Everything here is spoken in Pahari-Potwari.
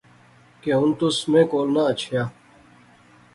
کہ ہن تس میں کول نہ اچھیا